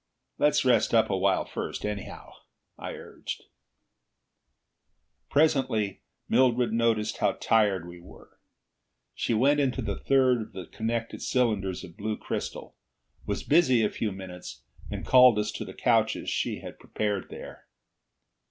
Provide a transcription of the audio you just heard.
"Let's rest up a while first, anyhow," I urged. Presently Mildred noticed how tired we were. She went into the third of the connected cylinders of blue crystal, was busy a few minutes and called us to the couches she had prepared there.